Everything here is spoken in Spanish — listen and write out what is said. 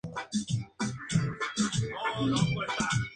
Ya no iba a tolerar la apatía del Partido Demócrata.